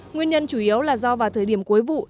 nguyên nhân chủ yếu là do vào thời điểm cuối vụ